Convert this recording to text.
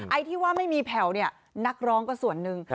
ไอ้ที่ว่าไม่มีแผ่วเนี่ยนักร้องก็ส่วนหนึ่ง